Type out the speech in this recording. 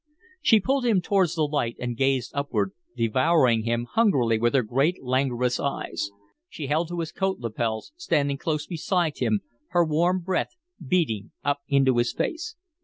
She pulled him towards the light and gazed upward, devouring him hungrily with her great, languorous eyes. She held to his coat lapels, standing close beside him, her warm breath beating up into his face.